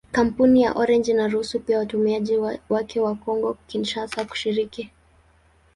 Kampuni ya Orange inaruhusu pia watumiaji wake wa Kongo-Kinshasa kushiriki.